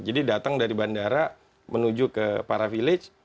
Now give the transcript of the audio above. jadi datang dari bandara menuju ke para village